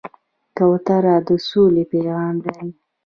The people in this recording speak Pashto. کوتره د سولې پیغام لري.